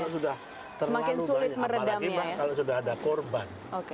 kalau sudah terlalu banyak apalagi kalau sudah ada korban